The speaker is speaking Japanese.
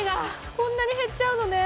こんなに減っちゃうのね。